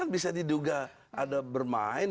bisa diduga ada bermain